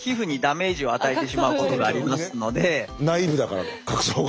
ナイーブだから角層が。